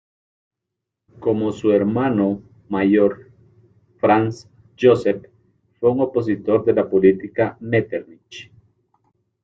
Como su hermano mayor, Franz Joseph, fue un opositor de la política de Metternich.